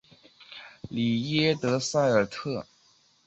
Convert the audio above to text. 里耶德塞尔特。